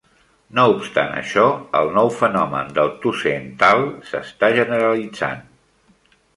No obstant això, el nou fenomen del tussentaal s'està generalitzant.